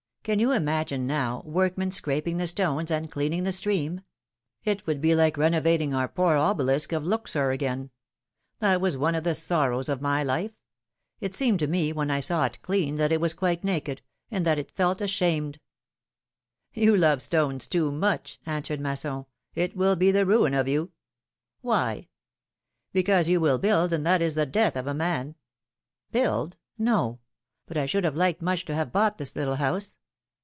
Can you imagine, now, workmen scraping the stones and cleaning the stream ? It would be like reno vating our poor obelisk of Luxor again ! That was one of the sorrows of my life ! It seemed to me, when I saw it cleaned, that it was quite naked, and that it felt ashamed ! ^^You love stones too much," answered Masson, will be the ruin of you I" «Why?" Because you will build, and that is the death of a man !" Build ? No ! But I should have liked much to have bought this little house."